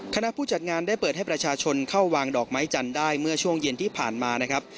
คณะผู้จัดงานได้เปิดให้ประชาชนเข้าวางดอกไม้จันทร์ได้เมื่อช่วงเย็นที่ผ่านมานะครับ